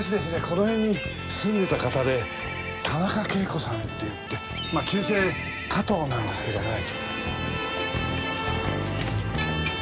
この辺に住んでた方で田中啓子さんっていってまあ旧姓加藤なんですけどね。